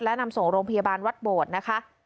และนำส่งโรงพยาบาลวัดโบดนะคะ